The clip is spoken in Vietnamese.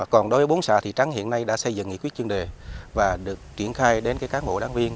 còn đối với bốn xã thị trắng hiện nay đã xây dựng nghị quyết chuyên đề và được triển khai đến cán bộ đáng viên